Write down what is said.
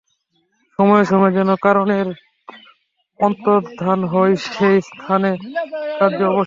সময়ে সময়ে যেন কারণের অন্তর্ধান হয়, সেই স্থানে কার্য অবশিষ্ট থাকে।